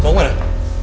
apa kok ada orang